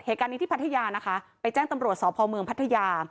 เหตุการณ์นี้ที่พัทยานะคะไปแจ้งตำรวจสพเมืองพัทยา